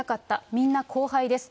みんな後輩です。